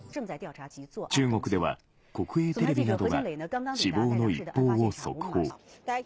中国では国営テレビなどが、死亡の一報を速報。